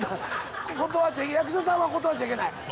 断っちゃ役者さんは断っちゃいけない。